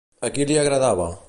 A qui li agradava?